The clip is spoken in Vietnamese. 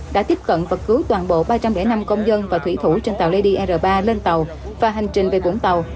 đã tiếp cận vật cứu toàn bộ ba trăm linh năm công dân và thủy thủ trên tàu led r ba lên tàu và hành trình về vũng tàu